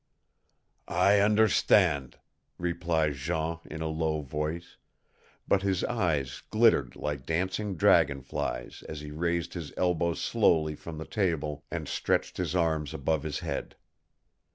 "I understand," replied Jean in a low voice, but his eyes glittered like dancing dragon flies as he raised his elbows slowly from the table and stretched his arms above his head.